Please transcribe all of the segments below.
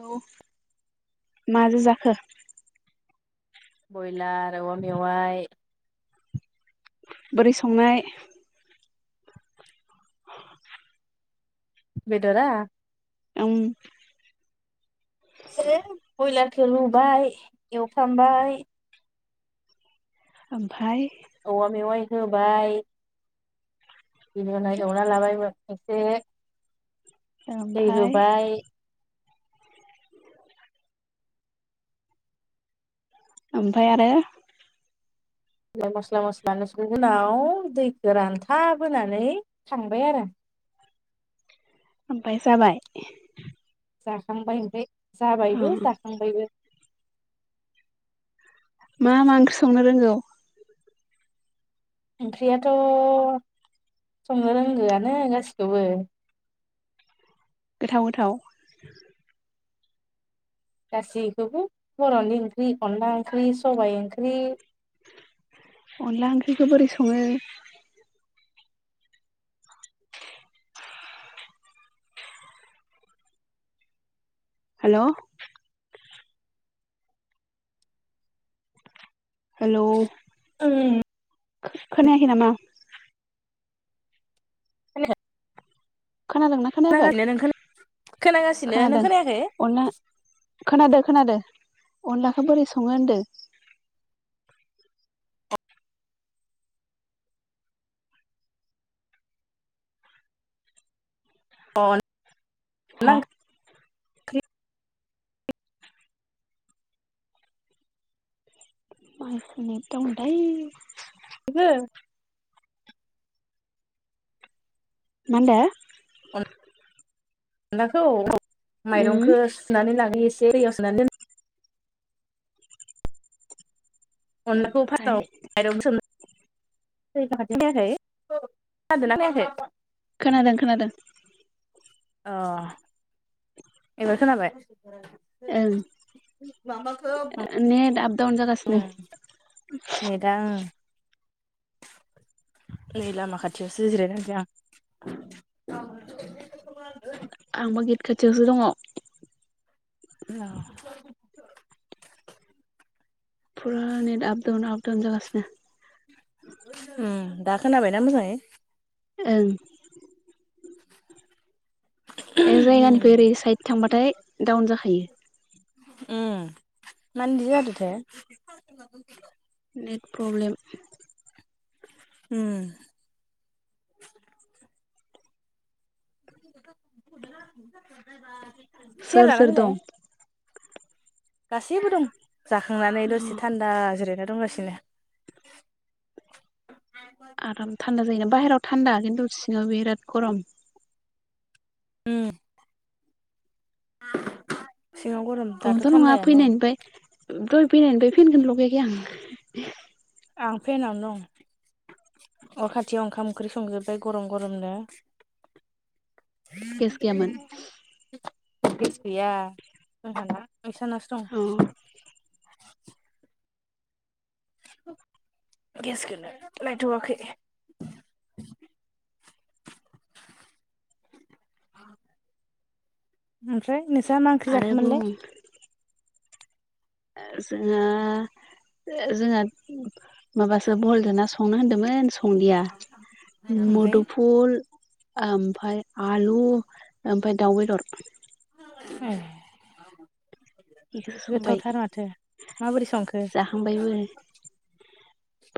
औ माजों जाखो? ब्रयलार औवा मेवाय बोरै संनाय? [inaudible] बेदारा। ओम जों बयलारखौ लुबाय एवफ्रामबाय आमफाइ औवा मेवाय होबाय। बिबा एवना लाबायमोन एसे दै ओमफाय होबाय ओमफ्राय आरो मस्ला मस्ला नोंस उनाव दैखौ रानथाबोनानै थांबाय आरो। ओमफाय जाबाय जाखांबाय ओमफ्राय अ जाबायबो जाखांबायबो मा मा ओंख्रि संनो रोंगौ ओंख्रियाथ' संनो रोंगोआनो गासिखौबो। गोथाव गोथाव। गासैखौबो बर'नि ओंख्रि अनला ओंख्रि सबबाय ओंख्रि अनला ओंख्रिखौ बोरै सङो हेल' हेलै [unintelligible] खोनायाखै नामा [unintelligible] खोनायाखै खोनादोंना खोनायाखै खोनागासिनो नों खोनादों खोनायाखै अनला खोनादो खोनादादों अनलाखौ बोरै सङो होनदो अन हा [inaudible] [unintelligible] नोंङो मा होनदो अनलाखौ उम माइरंखौ सुनानै लाङो एसे दैयाव सुनानै दोन अनलाखौ ओमफाय फार्स्टआव बायेरायावनो सोमनो दैथि फायाखै खोनादों खोनादों ओ एबार खोनाबाय [inaudible] [unintelligible] उम ओं नेट आप डाउन जागासिनो नेट आ ओं नै लामा खाथियावसो जिरायनानैसै आं औ [unintelligible] आंबो गेट खाथियावसो दङ फुरा नेट आपडाउन आपडाउन जागासनो उम दा खोनाबायना मोजाङै ओं [inaudible] ए उम जायगानिफ्राय ओरै साइद थांबाथाय डाउन जाखायो उम मानो इदि जादोंथाय नेट प्रब्लेम उम [inaudible] सोर लाना सोर फैलाय दं गासैबो दं जाखांनानै दसे थान्दा जिरायना दं गासिबो [unintelligible] आराम थान्दा जायोना बाहेरायाव थान्दा खिन्थु सिङाव बिराद गरम उम [unintelligible] गरम दाथ' खनथाम नङा थान्दायानो फैनायनिफ्राय दहाय फैनायनिफ्राय फिनगोन लगायाखै आं आं फेननानै दं अ खाथियाव ओंखाम ओंख्रि संजोबबाय गरम गरमनो गेस गैयामोन गेस गैया जोंहाना बैसानासो अ दं। गेसखौनो लायथ'वाखै। [inaudible] ओमफ्राय नोंसाहा मा ओंख्रि आरो बुं जाखोमोनलाय ओ जोंहा जोंहा माबासो बहलजों ना संनो होनदोंमोन संलिया ओमफ्राय मुदुफुल ओमफाय आलु ओमफाय दाउ बेदर एह बेखौसो संबाय गोथावथार माथो माबोरै संखो जाखांबायबो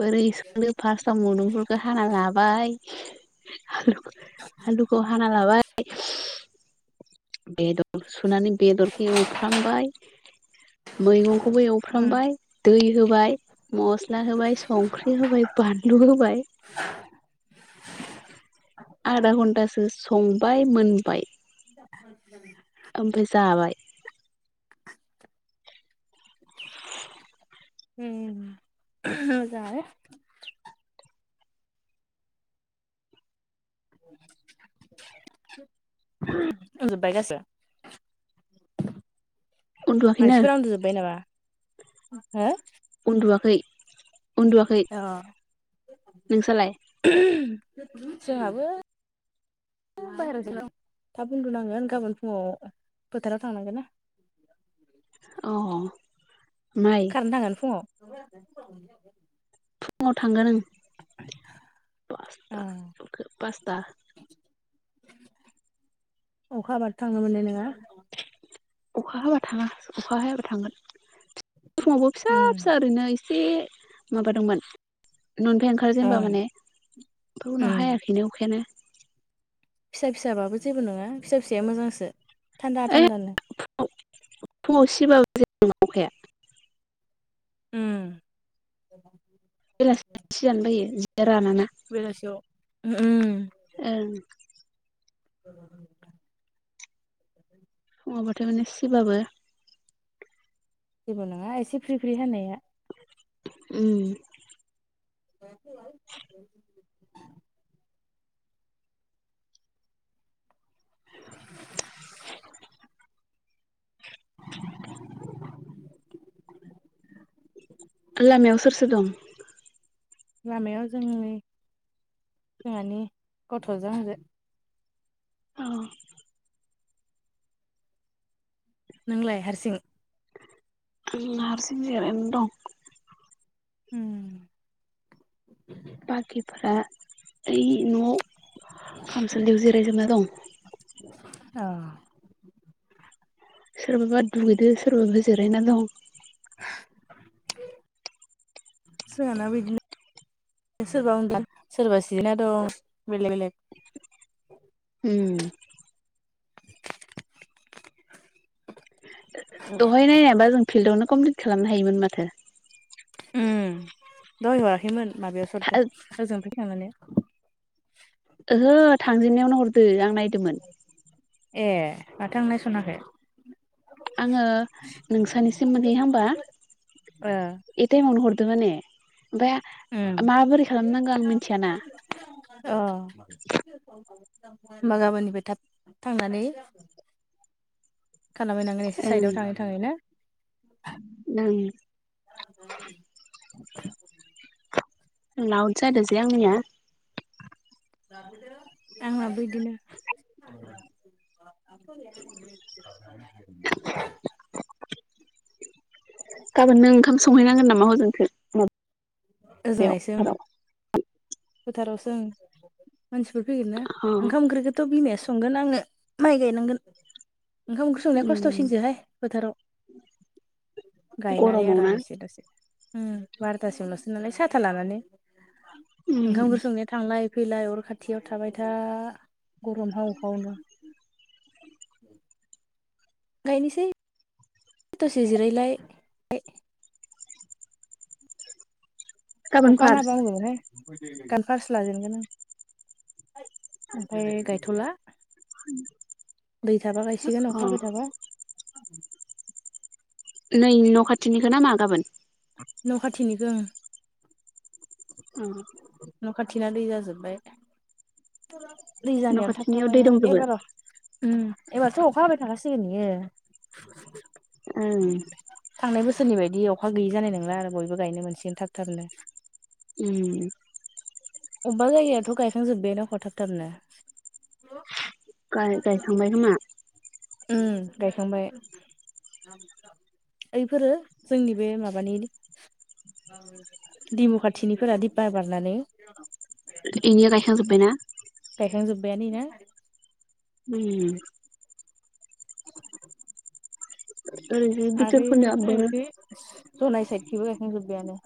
बोरै संखो फास्टआव मुदुमफुलखौ हाना लाबाय आलुखौ आलुखौ हाना लाबाय बेदर सुनानै बेदरखौ एवफ्रामबाय मैगंखौबो उम एवफ्रामबाय दै होबाय मस्ला होबाय संख्रि होबाय बानलु होबाय आधा घन्टासो संबाय मोनबाय [unintelligible] ओमफाय जाबाय उम मोजाङानो [unintelligible] [unintelligible] उन्दुवाखैनो मानसिफोरा उन्दुजोब्बाय नामा हो उन्दुवाखै उन्दुवाखै अह नोंसालाय जोंहाबो थाब उन्दु नांगोन गाबोन फुङाव फोथाराव थांनांगोन ना। अह खारनो थांगोन फुङाव फुङाव थांगोन ओं पासथा पासता अखा हाबाथ' थांनो मोननाय नङा। अखा हाबा थाङा अखा हायाबा थांगोन समावबो फिसा उम फिसा ओरैनो एसे माबा दंमोन न'निफ्राय ओंखार अ जेनबा माने ओमफाय उनाव उम हायाखैनो अखायानो फिसा फिसाबाबो जेबो नङा फिसा फिसाया मोजांसो थान्दा ओइ थान्दानो फुङाव सिबाबो जेबो नङा अखाया उम बेलासिआव सिजानो बायो जिया रानाना बेलासियाव उम ओं [unintelligible] नङाबाथाय माने सिबाबो जेबो नङा एसे फ्रि फ्रि हानाया उम [unintelligible] [inaudible] [inaudible] लामायाव सोर सोर दं? लामायाव जोंनि जोंहानि गथ'जों आंजों औ नोंलाय हारसिं उम हारसिं जेराना दं उम बाखिफ्रा एै न'आव खामसालियाव जिरायजोबना दं अह सोरबाबा दुगैदो सोरबाबा जिरायना दं। [unintelligible] जोंहानाबो इदिनो सोरबा उन्दुदों सोरबा जिरायना दं बेलेग बेलेग उम दहाय रायलायनायबा जों फिल्डावनो कमप्लिट खालामनो हायोमोन माथो। उम दहाय हराखैमोन माबायावसो हरदों ओजों फैखांनानै। ओहो थांजेननायावनो हरदो आं नायदोंमोन। ए माथो आं नायस'नाखै। आंङो नोंसानिसिम मोनहैहांबा ओ ए टाइमावनो हर। दो माने ओमफ्राय अ माबोरै खालामनांगो आं मिथियाना। अ होमबा गाबोननिफ्राय थाब थांनानै। खालामहैनांगोन एसे ओं साइदआव थांङै थांङैनो। [inaudible] ओं लाउद जादो जे आंनिया‌। आंनाबो इदिनो। [unintelligible] [inaudible] गाबोन नों ओंखाम संहैनांगोन नामा हजोंसो? उम ओजोंहायसो ओं फोथारावसो मानसिफोर फैगोन ना? अ ओंखाम ओंख्रिखौथ' बिमाया सं संगोन आंङो माइ गायनांगोन। ओंखाम ओंख्रि संनाया उम खस्थ'सिनसोहाय फोथाराव। गायनानै गरमाव ना आरामसे दसे। उम बार'थासिमल'सो नालाय साथा लानानै। ओंखाम उम ओंख्रि संनाया थांलाय। फैलाय अर खाथियाव थाबाय था गरम हाव हावनो। [inaudible] गायनोसै दसे जिरायलाय गा गाबोन अखा हाना फार होबा हामगौमोन हाय। गान फार्स लाजेनगोन आं ओमफ्राय गायथ'ला। दैै थाबा गायसिगोन अ अखा हाबाय थाबा। नै न' खाथिनिखोना मा गाबोन? न' खाथिनिखो ओं अ न' खाथिना दै जाजोब्बाय। दै न' जानायाव थाब थाब खाथिनियाव दै गायनांगोन दंजोबो एबार र' उम। एबारथ' अखा हाबाय थाखासिगोन बियो ओं थांनाय बोसोर। सोरनि बायदि अखा गैयि जानाय नंला आरो बयबो गायनो मोनसिगोन थाब थाबनो। उम अबबा जायगायाथ' गायखांजोब्बायानो आख' थाब थाबनो। गाय गायखांबायखोमा। उम गायखांबाय। ऐैफोरो जोंनि बे माबानि दिमु खाथिनिफोरा रिपार बारनानै एनिया गायखांजोबायना। गायखांजोब्बायनो इनिया। उम। [inaudible] ओरैजाय आरो बिथोरफोरनियाबो जनाय साइदखैबो गायखांजोब्बायानो।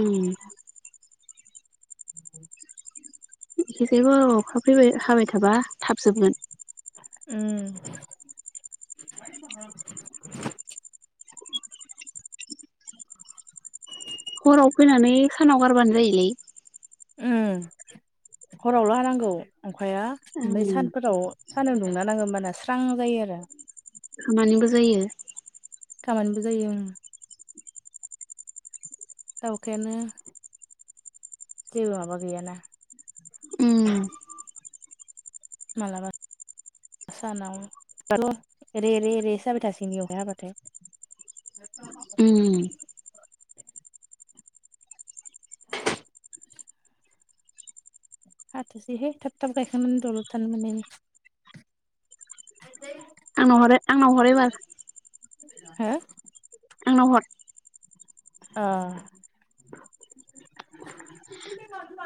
उम [inaudible] एखैयबो अखा फैबाय हाबाय थाबा थाब जोबगोन। उम। हराव फैनानै सानाव गारबानो जायोलै। उम हरावल' हानांगौ अखाया। ओमफ्राय ओं सानफोराव सानजों दुंना नाङो होमबाना स्रां जायो आरो। खामानिबो जायो। खामानिबो जायो ओं। दा अखायानो जेबो माबा गैयाना। उम मालाबा सानाव रे रे रे सो हाबाय थासिगोन ये अखाया हाबाथाय। उम। हाथोंसैहाय थाब थाब गायखांनानै दलर थानो मोननायनि। [inaudible] आंनाव हरो आंनाव हर एबार हो? आंनाव हर अ।